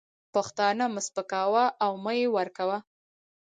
پښتانه مه سپکوه او مه یې ورکوه.